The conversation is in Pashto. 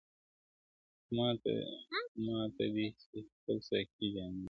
خو ماته دي سي، خپل ساقي جانان مبارک